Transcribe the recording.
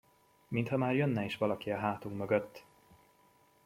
Mintha már jönne is valaki a hátunk mögött!